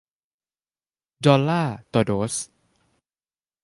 ดอลลาร์ต่อโดส